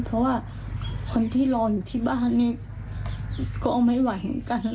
เพราะว่าคนที่รออยู่ที่บ้านก็ไม่หวังกัน